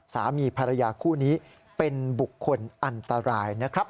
สามีภรรยาคู่นี้เป็นบุคคลอันตรายนะครับ